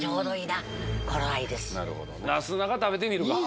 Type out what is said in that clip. なすなか食べてみるか？